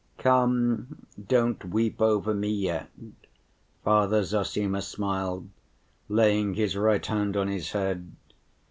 "Come, don't weep over me yet," Father Zossima smiled, laying his right hand on his head.